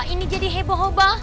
ini jadi heboh heboh